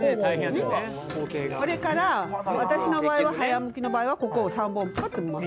それから私の場合早むきの場合はここを３本パッと。